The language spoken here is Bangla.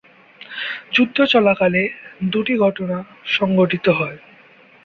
যুদ্ধ চলাকালে দুটি ঘটনা সংঘটিত হয়।